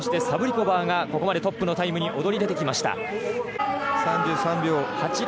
サブリコバーここまでトップのタイムに踊り出てきました。